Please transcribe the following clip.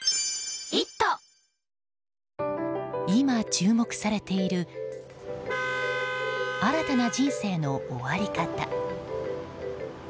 今、注目されている新たな人生の終わり方。